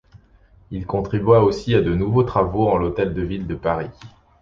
Il contribua aussi à de nombreux travaux en l'Hôtel de Ville de Paris.